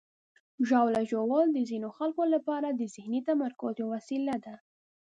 ژاوله ژوول د ځینو خلکو لپاره د ذهني تمرکز یوه وسیله ده.